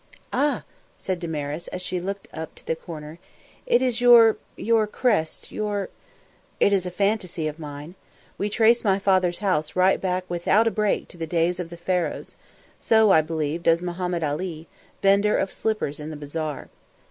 "Ah!" said Damaris, as she looked up to the corner. "It is your your crest your " "It is a fantasy of mine. We trace my father's house right back without a break to the days of the Pharaohs so, I believe, does Mohammed Ali, vendor of slippers in the bazaar."